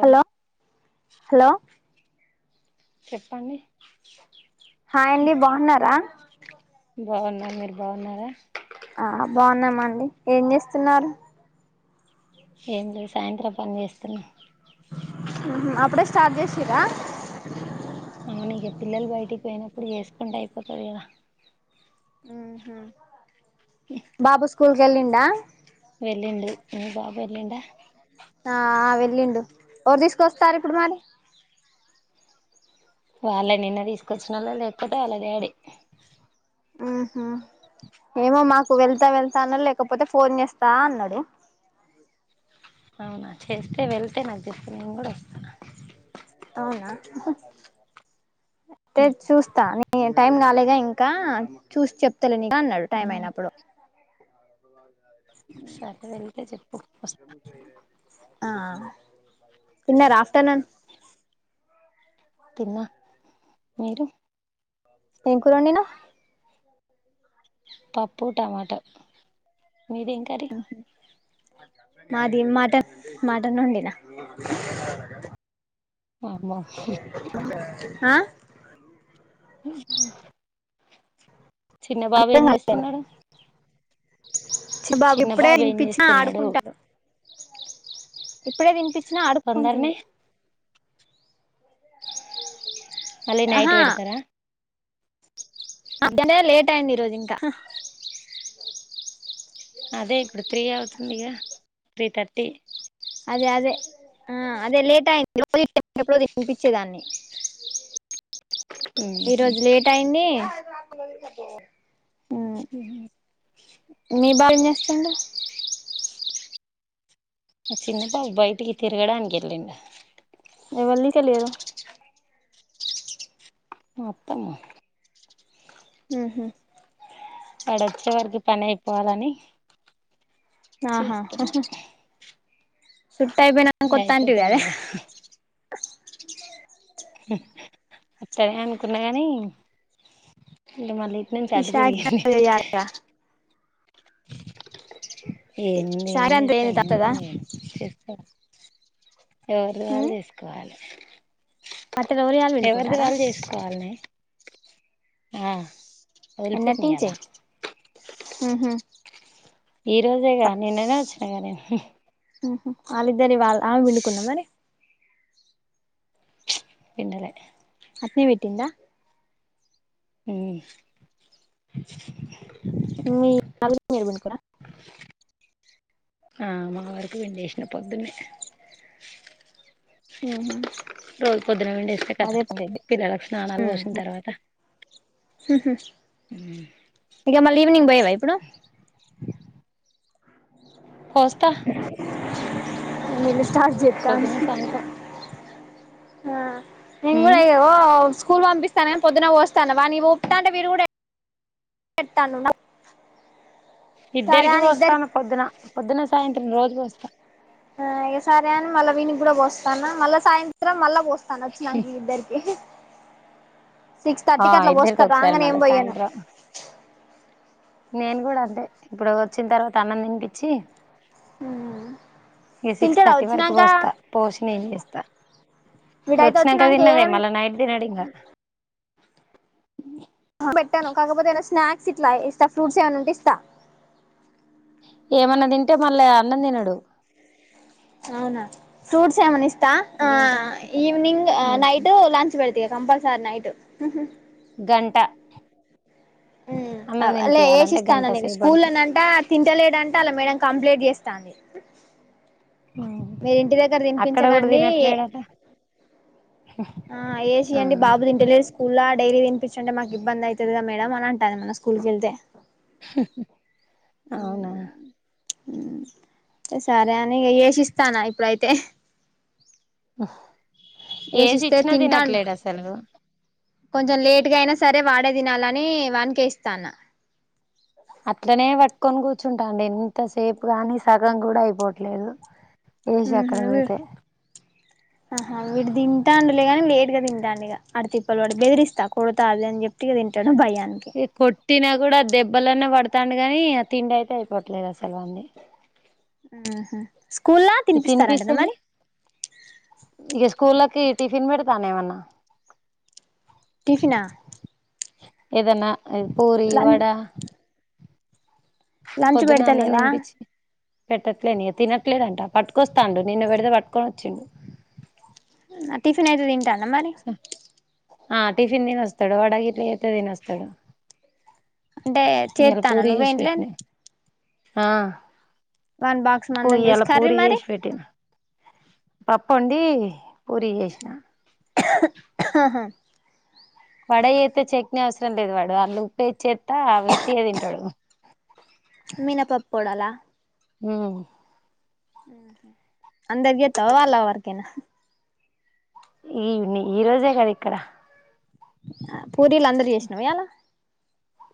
Hello hello చెప్పండి hi అండి బాగున్నారా బాగున్నాను మీరు బాగున్నారా ఆ బాగున్నామండి ఏం చేస్తున్నారు ఎం లె సాయంత్రం పని చేస్తున్నా అప్పుడే స్టార్ట్ చేసిర్ర అవును ఇగ పిల్లలు బయటికి పోయినప్పుడు చేసుకుంటే అయిపోతది కదా ఉహు బాబు స్కూల్ కెలిండా వెళ్ళిండు మీ బాబు వెళ్లిండ ఆ వెళ్ళిండు ఎవరు తీసుకొస్తారు ఇప్పుడు మరి వాళ్ళ నిన్న తీసుకొచ్చినోళ్ళే లేక్పోతే వాళ్ళ డాడీ ఉహు ఏమో మాకు వెళ్తా వెళ్తా అన్నాడు లేకపోతే ఫోన్ చేస్తా అన్నడు అవునా చేస్తే వెళ్తే నాకు చెప్పు నేను కూడా వస్తాను అవునా తే చూస్తా టైం గాలేగా ఇంకా చూసి చెప్తలేనిక్ అన్నడు టైం అయినప్పుడు సరే వెళ్తే చెప్పు వస్తా ఆ తిన్నారా ఆఫ్టర్నూన్ తిన్న మీరు ఏం కురోండినావ్ పప్పు టమాటా మీది ఎం కర్రీ మాది మటన్ మటన్ వండినా వామ్మో ఆ చిన్న బాబు అర్థం ఏం కాలేదు చేస్తున్నాడు చి బాబు చిన్న ఇప్పుడే ఏం తినిపించినా చేస్తున్నాడు ఆడుకుంటా ఇప్పుడే తినిపించినా తొందరనే ఆడుక్కుంటుండు మళ్ళీ నైట్ ఆహా పెడతారా అంతనే లేట్ అయింది ఈరోజు ఇంకా అదే ఇప్పుడు త్రీ అవుతుందిగా త్రీ థర్టీ అదే అదే ఆ అదే లేట్ అయింది రోజు ఈ టైమ్ కి ఎప్పుడో తినిపించేదాన్ని మా ఈరోజు లేట్ అయింది మీ బాబు ఏం చేస్తుండు మ చిన్నబాబు బయటికి తిరగడానికి ఎళ్ళిండు ఎవళ్ళి కెళ్ళిరు అత్తమ్మ ఉహు వాడోచ్చే వరకి పని అయిపోవాలని ఆహా చేస్తున్నా సుట్టయిపోయినంక ఇంగ కొత్తాంటివి అయిపోతది కదే కదా అత్తనే అనుకున్నా గని ఇగ మరి ఇటు నుండి ఈ అటు శాఖ తిరిగింది చేయాలిగా ఏంది శాఖ ఏం అంత ఏంది చేస్తాను తత్తదా నేనేం చేయను చేస్తే ఎవరు వాళ్ళు మ్ చేసుకోవాలి బట్టలు ఎవరియాలు ఎవరిది పిండుకుంటారా వాళ్ళు చేసుకోవాలనే ఆహ్. ఎన్నటి నుంచె ఉహూ. ఈ రోజేగా నిన్ననే వచ్చినాగా నేను. ఉమ్ వాళ్ళిద్దరి వాళ్ళ ఆమె వండుకున్నాదవనే. పెండలే. అట్నే పెట్టిందా. ఉమ్. మీ రాకుండా మేల్కన్నారా. ఆహ్ మా వరకు పిండేసిన పొద్దున్నే. అవునా. రోజు పొద్దున పిండేస్కుంట కదా పిల్లలకు స్నానాలు పోసిన తర్వాత. ఇంకా మళ్ళీ ఈవినింగ్ పోయవా ఇప్పుడు. పోస్తా నేను స్టార్ట్ చెస్తాను. పొద్దున సాయంత్రం నేను కూడా ఇంకా వో స్కూల్ పంపిస్తానని పొద్దున్న పోస్తాన్నా వాడికి పోస్తా ఉంటే వీడు కూడా. పెడతాను. ఇద్దరికి పోస్తాను పొద్దున పొద్దున సాయంత్రం రోజు పోస్తా. ఆహ్ ఇగ సరే అని మళ్ళ వీడికి కూడా పోస్తున్న మళ్ళా సాయంత్రం మళ్ళా పోస్తా. సనొచ్చినాంక ఇద్దరికీ. సిక్స్ ఆ థర్టీకి అట్లా పోస్తా ఇద్దరికి ఒకసారి రాంగానే ఏం మళ్ళా పోయాను. సాయంత్రం నేను కూడా అంతే ఇప్పుడు వచ్చిన తర్వాత అన్నం తినిపించి. ఈ సిక్స్ తింటాడా థర్టీ వరకు వచ్చినాంక పోస్తా పోసి నేను చేస్తా. ఇప్పుడు వీడైతే వచ్చినాంక తన్నదే ఏం మళ్ళా నైట్ తినడు ఇంకా. ఆహ్ పెట్టాను కాకపోతే ఏమన్నా స్నాక్స్ ఇట్లా ఇస్తా ఫ్రూట్స్ ఏమైనా ఉంటే ఇస్తా. ఏమన్నా తింటే మళ్ళ అన్నం తినడు. అవునా ప్రూట్స్ ఏమన్నా ఇస్. తా వీనితోనే ఆహ్ ఒక కథ ఈవినింగ్ నైట్ లంచ్ పెడత ఇగా కంపల్సరి నైట్. గంట. ఉమ్ అన్నం ఆహ్ లే తినిపియాలంటే ఎసిస్తాను గంట నేను సేపు పడుతది స్కూల్నంట తింటలేడంట అలా మేడం. కంప్లీంట్ చేస్తాంది. మీరి ఇంటి దగ్గర అక్కడ కూడా తినిపించకండి. తినట్లేడట ఆహ్ ఆ ఏసియ్యండి బాబు తింటలేడు స్కూలా. డైలీ తినిపించలంటే మాకు ఇబ్బంది అయితది కదా మేడం అంటాది మనం స్కూల్కి వెళ్లితే. అవునా. ఉమ్ సరే అని ఇంకా ఎసిస్తాన్న ఇప్పుడైతే. ఏసి ఏశిస్తే ఇచ్చినా తింటాను. తినట్లేడు అసలు కొంచెం లేట్గా అయినా సరే వాడే తినాలని వానికే ఇస్తాన్న. అట్లనే పట్టుకొని కూర్చుంటాండు ఇంతసేపుగానీ సగం కూడా అయిపోవట్లేదు. ఏసి అక్కడ ఉహు వీ పెడితే. ఆహా వీడు తింటాండులేగాని లేట్గా తింటాండు ఇక అడు తిప్పలు వాడి బెదిరిస్తా కొడతా అది అని చెప్పి ఇగ తింటాడు. భయానికి కొట్టిన కూడా దెబ్బలన్న పాడు. తండుగాని తిండి అయితే అయిపోవట్లేదు అసలు అన్నీ. ఆహ్ స్కూల్లా తినిపిస్తారంటాన తినిపిస్తేనే మరి. కి టిఫిన్ పెడతానేమన్నా. టిఫినా. ఏదన్నా ఆహ్ పూరి లం వడ. లంచ్ పొద్దున్న అన్నం పెడతలేవా తినిపించి పెట్టట్లేని తినట్లేదంట పట్టుకొస్తాండు నిన్ను కూడా పట్టుకొని వచ్చిండు టిఫిన్ అయితే తింటండ మరి ఆ టిఫిన్ తినేస్తాడు వడగిట్ల అయితే తినేస్తాడు అంటే ఇయల చేత్తానా పూరి నువ్వే చేసి ఇంట్లే పెట్టిన ఆ వన్ బాక్స్ పూ మందం చేసి ఈయల కర్రీ పూరి మరి చేసి పెట్టిన పప్పు వండి పూరి చేసిన వడ చేతే చట్నీ అవసరం లేదు వాడు అల్లు ఉప్పే చేస్త ఆ ఊటీయో తింటాడు మినపప్పు వడల హు ఉహ్మ్ అందరికీ చేతవా వాళ్ళ వరకేనా ఇవేనీ ఈ రోజేగా అయితే పూరీలు అందరు చేసినవ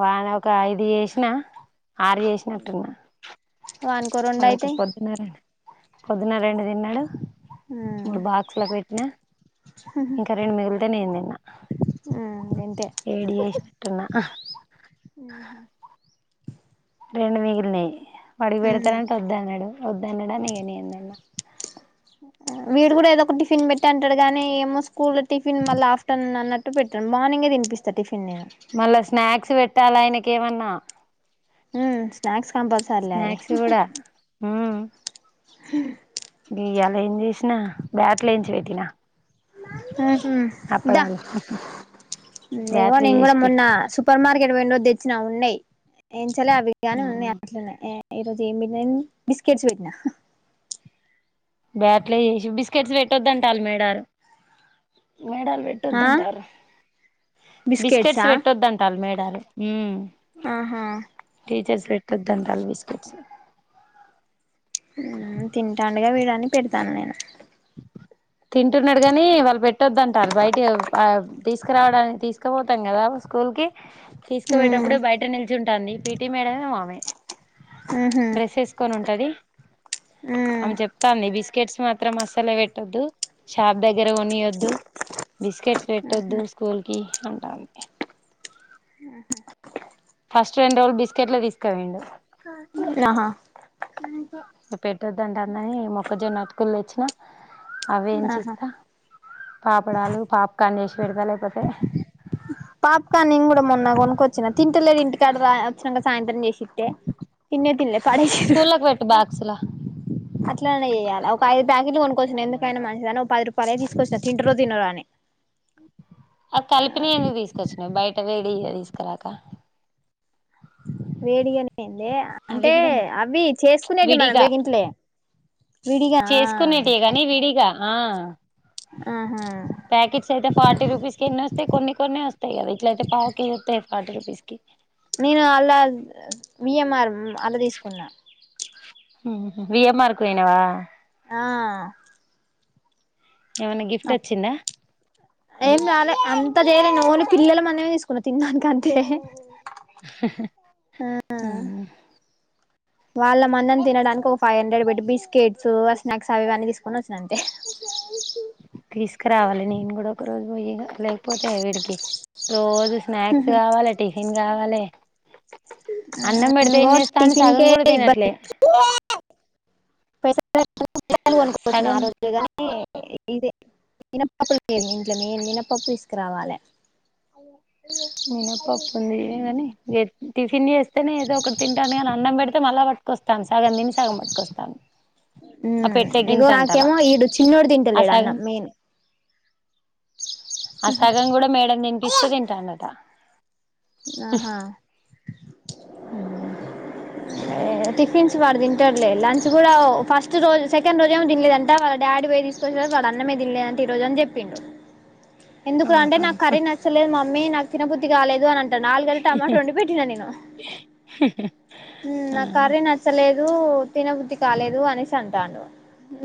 వా ఒక ఐదు చేసిన ఆరు చేసినట్టున్నా వానికో రెండు వాడొక అయితయి పొద్దునే పొద్దున్న ఓరెండు తిన్నాడు ఉమ్ మూడు బాక్సులో పెట్టినా ఇంకా రెండు మిగిలితే నేన్ తిన్న ఉమ్ గంతే ఏడు చేసినటున్న రెండు మిగిలినయి వాడికి ఉమ్ పెడతంటే వద్దు అన్నాడు వద్దు అన్నాడనీ నేన్ తిన్న వీడు కూడా ఏదో ఒక టిఫిన్ పెట్టు అంటాడు కానీ ఏమో స్కూల్ టిఫిన్ మళ్ళ ఆఫ్టర్నూన్ అన్నట్ టు పెట్టం మార్నింగే తిపిస్తా టిఫన్ మళ్ళా స్నాక్స్ పెట్టాలి ఆయనకేమన ఉమ్ స్నాక్స్ కంపల్సరిలయి స్నాక్స్ కూడా హ్మ్ ఈయల ఏం చేసినా బాట్లెంచేతుల ఉహ్మ్ ద్దా ఇంగ బ్యాట్లు నేను కూడా చేసి మొన్న పెట్టి సూపర్ మార్కెట్ వెలో తెచ్చినా ఉన్నాయి ఏంచేయాలా అవి ఉన్నాయి అట్లనే ఈ రోజు ఏం పెట్టినవు బిస్కెట్స్ పెట్టినా బ్యాట్లు వేసి బిస్కెట్స్ పెట్టొద్దంటాల మేడారు మేడలు ఆ పెట్టొద్దంటారు బిస్కెట్స్ బిస్కెట్సా పెట్టొద్దంటారు మేడలు ఆహా టీచర్స్ పెట్టద్దంటాల బిస్కెట్స్ ఉమ్ తింటాండుగా వీడని పెడతాను నేను తింటున్నాడు కాని వాళ్ళు పెట్టొద్దంటారు బయట ఆ తీసుకురావడానికి తీసుకుపోతాం కదా స్కూల్ కి తీసుకుపోయేప్పుడు బయట నిల్చుంటుంది పిటి మేడమ్ ఆమే ఉహు డ్రెస్ వేసుకొని ఉంటది ఉహు ఆమె చెప్తంది బిస్ కెట్స్ మాత్రం అసలు పెట్టద్దు షాప్ దగ్గర కొనియొద్దు బిస్కెట్స్ పెట్టొద్దు స్కూల్ కి అని ఆహా ఫస్ట్ రెండు రోజులు బిస్కెట్లే తీసుకుపోయిండు ఆహా ఇంక పెట్టొద్దంటందని మొక్కజొన్న అటుకులు తెచ్చినా అవేం ఆహా చేస్తా పాపడాలు పాప్కార్న్ చేస్ పాప్కార్న్ నేన్ కూడా మొన్న కొనుక్కొచ్చిన తిన్ లేదు ఇంటికాడ రా వచ్చినక సాయంత్రం చేసితే తిన్నే తిన్లే పాడేసిరు స్కూళ్ళకి పెట్టు బాక్స్ లా అట్లానే చేయాలి ఒక ఐదు ప్యాకెట్లు కొనుక్కొచ్చినను ఎందుకైనా మంచిదని ఒక పది రూపాయల తీసుకొచ్చిన తింటరో తినరో అని ఆ కలిపినియ్ ఏందుకు తీసుకొచ్చ బయట వెడి ఎల్స్ క్రకా వేడిగానేంది అంటే అవి చేసుకునేటి మనం విడిగా వేగింట్లే విడిగా ఆ చేసుకునేటివి గాని విడిగా ఆ ఆహా ప్యాకెట్స్ అయితే ఫార్టీ రూపీస్ కె ఎన్ని వస్తాయి. కొన్ని కొన్ని వస్తాయి కదా ఇట్లయి పావు కేజి వస్తాయి ఫార్టీ రూపీ వేస్కి నేను అలాల్ అ విఎంఆర్మ్ అలా తీసుకున్నా ఉహు విఎమార్కు ఓయ్నావా? ఆ ఏమైనా గిఫ్ట్ అ వచ్చిందా ఎంకాలే అంతలేదు నూను పిల్లలు మనమే తీసుకున్న తినడానిక అంతే హ్హ్ ఆ వాళ్ళ మన్నని తినడానికి ఒక ఫైవ్ హండ్రెడ్ పెట్టి బిస్కెట్స్, స్నాక్స్ అవి ఇవన్నీ తీసుకుని వచ్చాను అంతే క్రావాలి నేను కూడా ఒక రోజు పోయిన లేకపోతే వీడికి రోజు స్నాక్స్ కావాలిటి ఎన్ కావాలి అ ఆ అన్నం పెడితే ఇంగో ఏం చేస్తాండు టిఫిన్ సగం కె కూడా తినట్లే ఇబ్బంది పైస [inaudible] సగం ఆరోగ్యగాని ఇదే మినపప్పు లేదు మి ఇంట్లో మేము మినపప్పు తీసుకురావాలి. మినపప్ప ఎయ్యం గాని ఎ టిఫిన్ చేస్తేనే ఏదో ఒకటి తింటాను కానీ అన్నం పెడితే మళ్ళా పట్టుకొస్తాను. సగం తిని సగం పట్టుకొస్తాను. ఆ పెట్టే ఉమ్ ఇగో గింత అంతలా నాకేమో ఈడు చిన్నోడు ఆ తింటలే సగం అన్నం మెయిన్ ఆ సగం కూడా మేడం తినిపిస్తే తింటాన్నడట ఆహా టిఫిన్స్ వాడు తింటాడు లే లంచ్ కూడా ఫస్ట్ రోజు, సెకండ్ రోజు ఏమో తినలేదంట వాళ్ళ డాడీ పోయ్ తీసుకొచ్చ వాడు అన్నమె తినలేదంట ఈరోజుని చెప్పిండు. ఎందుకు అంటే ఆహా నాకు కర్రీ నచ్చలేదు మమ్మీ నాకు తినబుద్ధి కాలేదు అనం నాలుగు ఐదు టమాటో వండి పెట్టినా నేను మ్ ఆ నాకు కర్రీ నచ్చలేదు. దు తిన బుద్ధి కాలేదు అనేసి అంటండు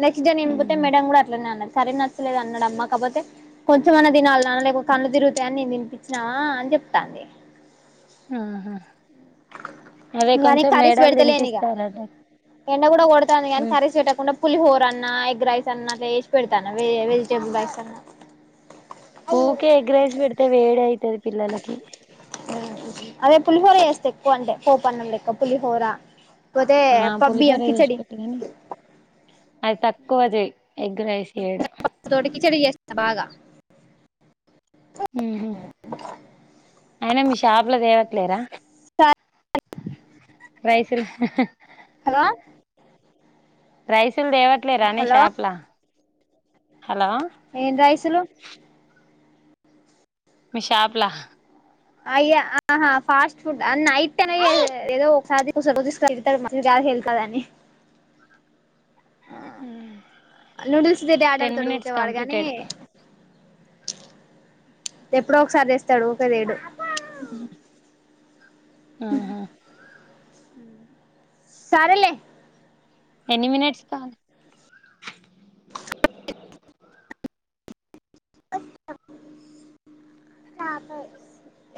నెక్స్ట్ డే నేను పోతే మేడం కూడా అట్లనే అన కర్రీ నచ్చలేదు అన్నాడమ్మాకపోతే కొంచంమన్నా తినాలి అ లే కళ్ళు తరుగుతాయని నేను తనిపించినావా అ చెప్తాంది ఆహా అదే నారి కొంచెం కర్రీస్ మేడాలు పెడతలే ఏనిగ తినిపిస్తారట ఎండ కూడా కొడతా నను కరీస్ పెట్టకుండా పులిహోర అన్నా, ఎగ్ రైస్ అన్నా వేసి పెడతాను. వెజిటేబుల్ రైస్ అన్నా ఊకే ఎగ్రైస్ పెడితే వేడి అయితది పిల్లలకి అదే పులిహోర ఏస్తే ఎక్కువ అంటే పోపన్నం లెక్క పులిహోర పోతే ఆ పబ్బి పులిహోర చేసి అఖిచడి పెట్టు గాని అది తక్కువ జయ్ ప తోటి కిచెడి చేస్తా బాగా ఉహు అయినా మీ షాప్ లో దేవట్లేరా రైస్లు అహ్హ్ హలో రైసులు తేవట్లే రానే హలో షాపులో ఏం రైసులు మీ షాపుల అయ్య ఆహా ఫాస్ట్ ఫుడ్ అ నైట్ టైం ఏదో ఏదో ఒక [unintelligible] వెంకవని ఆ నూడిల్స్ది టెన్ మినిట్స్ కంప్లీటెడ్ [unintelligible] ఎప్పుడో ఒకసారి చేస్తాడు ఉకేవీడు ఊ ఉమ్ ఆహా సరలే ఎన్ని మినిట్స్క్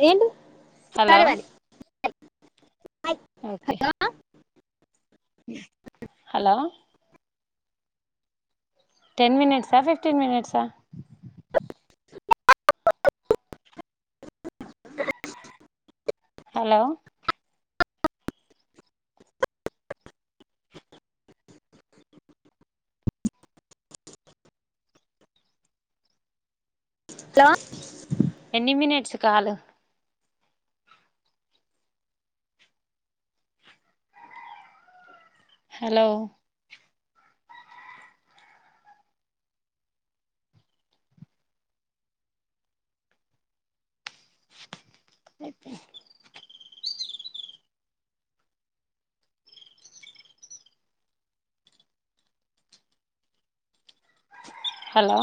ఏంటి హలో సరే మరి ఓకే హలో టెన్ మినట్సా ఫిఫటీన్ మినిట్స్ హలో త ఎన్ని మనిట్స్ కావలె హలో అయితే హలో